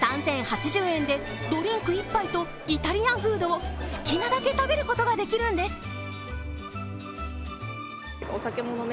３０８０円でドリンク１杯とイタリアンフードを好きなだけ食べることができるんです。